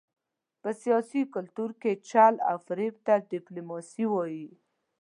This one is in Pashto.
په سیاسي کلتور کې چل او فرېب ته ډیپلوماسي وايي.